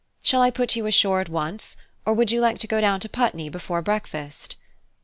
Shall I put you ashore at once, or would you like to go down to Putney before breakfast?"